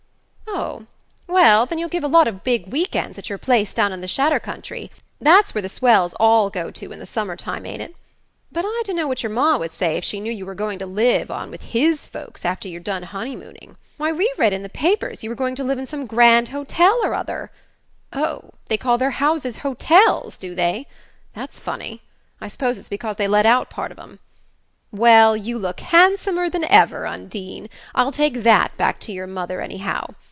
Oh, well, then you'll give a lot of big week ends at your place down in the Shatter country that's where the swells all go to in the summer time, ain't it? But I dunno what your ma would say if she knew you were going to live on with HIS folks after you're done honey mooning. Why, we read in the papers you were going to live in some grand hotel or other oh, they call their houses HOTELS, do they? That's funny: I suppose it's because they let out part of 'em. Well, you look handsomer than ever. Undine; I'll take THAT back to your mother, anyhow.